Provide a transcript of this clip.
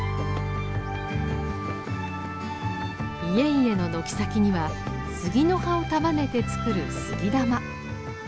家々の軒先には杉の葉を束ねて作る杉玉。